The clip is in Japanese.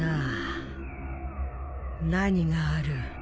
何がある？